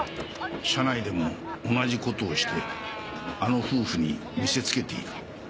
車内でも同じことをしてあの夫婦に見せつけている。